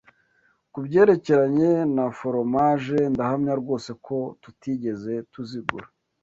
Ku byerekeranye na foromaje, ndahamya rwose ko tutigeze tuzigura